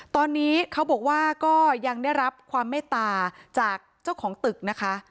ตอนนี้เขาบอกว่าก็ยังได้รับความเมตตาจากเจ้าของตึกนะคะ